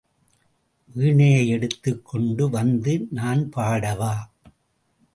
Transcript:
வீணையை எடுத்துக் கொண்டு வந்து நான் பாடவா?